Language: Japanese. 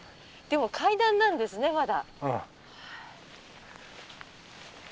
でも階段なんですねまだ。